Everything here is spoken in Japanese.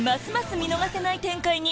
見逃せない展開に！